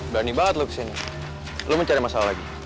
berani banget lo kesini lo mencari masalah lagi